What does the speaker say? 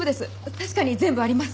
確かに全部あります。